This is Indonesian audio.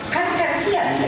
kan kasihan dia